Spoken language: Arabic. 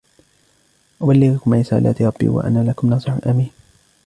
أبلغكم رسالات ربي وأنا لكم ناصح أمين